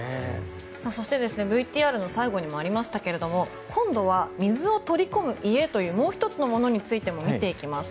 そしてＶＴＲの最後にもありましたが今度は水を取り込む家というもう１つのものについても見ていきます。